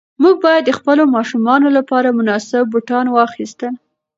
موږ باید د خپلو ماشومانو لپاره مناسب بوټان واخیستل.